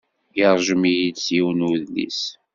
Yeṛjem-iyi-d s yiwen n udlis.